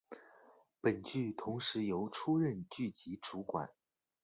本剧同时由出任剧集主管。